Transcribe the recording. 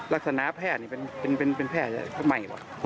ลักษณะแพทย์นี่เป็นแพทย์ใหม่ว่ะ